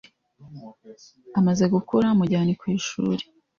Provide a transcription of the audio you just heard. amaze gukura mujyane kw’ishuri